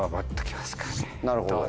なるほど。